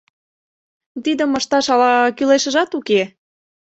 Тидым ышташ ала кӱлешыжат уке?